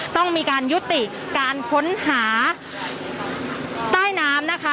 ต้องมีการยุติการค้นหาใต้น้ำนะคะ